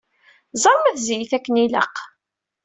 Ẓer ma tzeyyet akken ilaq.